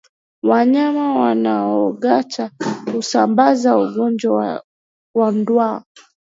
Wanyama wanaongata husambaza ugonjwa wa ndwa